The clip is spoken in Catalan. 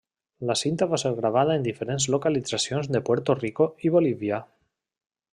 La cinta va ser gravada en diferents localitzacions de Puerto Rico i Bolívia.